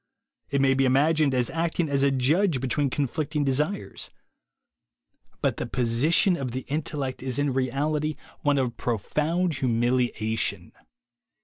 It may be imaged as acting as a judge between conflicting THE WAY TO WILL POWER 9 desires. But the position of the intellect is in reality one of profound humiliation.